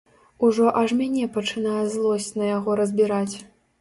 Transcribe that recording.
Ужо аж мяне пачынае злосць на яго разбіраць.